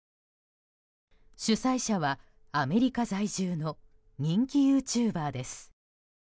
主催者はアメリカ在住の人気ユーチューバーです。